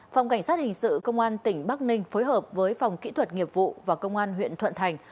phòng cảnh sát hình sự công an tỉnh bắc ninh phối hợp với phòng kỹ thuật nghiệp vụ và công an huyện thuận thành